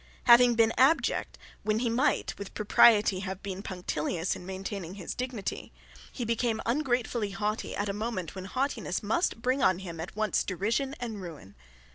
Having been abject when he might, with propriety, have been punctilious in maintaining his dignity, he became ungratefully haughty at a moment when haughtiness must bring on him at once derision and ruin.